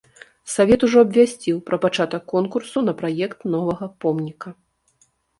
Савет ужо абвясціў пра пачатак конкурсу на праект новага помніка.